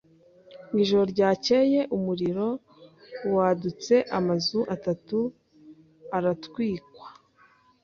Mu ijoro ryakeye umuriro wadutse amazu atatu aratwikwa.